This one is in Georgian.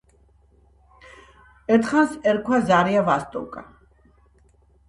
ერთხანს ერქვა ზარია ვოსტოკა.